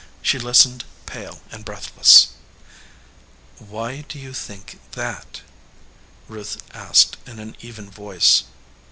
She listened, pale and breathless. "Why do you think that?" Ruth asked in an even voice.